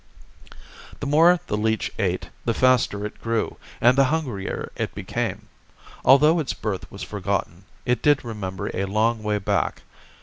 The more the leech ate, the faster it grew and the hungrier it became. Although its birth was forgotten, it did remember a long way back.